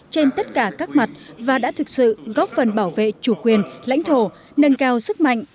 trên tất cả các mặt và đã thực sự góp phần bảo vệ chủ quyền lãnh thổ nâng cao sức mạnh